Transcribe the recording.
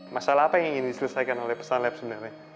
masalah apa yang ingin diselesaikan oleh pesan lab sebenarnya